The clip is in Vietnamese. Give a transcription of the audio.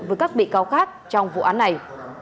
với các bị cáo khác trong vụ án này